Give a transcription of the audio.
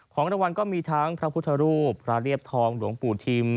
ของรางวัลก็มีทั้งพระพุทธรูปพระเรียบทองหลวงปู่ทิม